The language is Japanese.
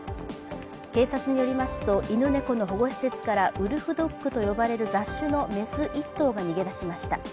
警察によりますと、犬猫の保護施設からウルフドッグと呼ばれる雑種の雌１頭が逃げ出しました。